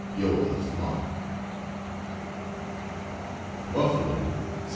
Yours, MARK. BUFFALO, Sept.